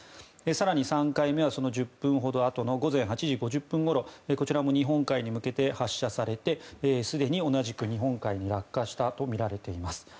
更に３回目はその１０分ほどあとの午前８時５０分ごろこちらも日本海に向けて発射されてすでに同じく日本海に落下したとみられています。